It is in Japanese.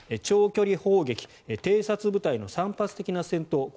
長距離砲撃偵察部隊の散発的な戦闘